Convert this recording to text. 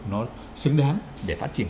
nó xứng đáng để phát triển